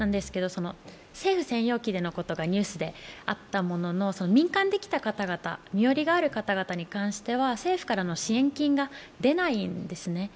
政府専用機でのことがニュースであったものの、民間で来た方々、身寄りがある方々に関しては政府からの支援金が出ないんですね。